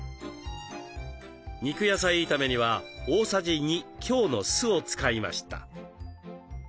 肉野菜炒めには大さじ２強の酢を使いました。